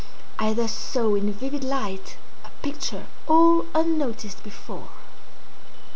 I thus saw in vivid light a picture all unnoticed before.